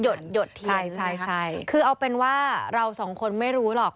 หยดทีใช่คือเอาเป็นว่าเราสองคนไม่รู้หรอก